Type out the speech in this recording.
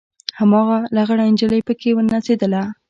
هماغه لغړه نجلۍ پکښې نڅېدله.